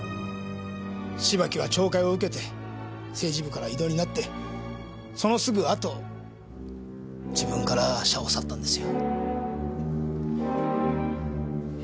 芝木は懲戒を受けて政治部から異動になってそのすぐ後自分から社を去ったんですよ。